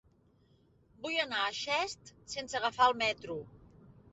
Vull anar a Xest sense agafar el metro.